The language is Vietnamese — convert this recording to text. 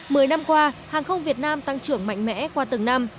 mười năm qua hàng không việt nam tăng trưởng mạnh mẽ qua từng năm